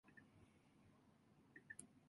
ぷよぷよするな！